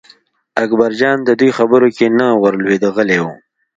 اکبرجان د دوی خبرو کې نه ور لوېده غلی و.